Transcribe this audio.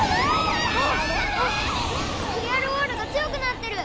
クリアル・ウォールが強くなってる！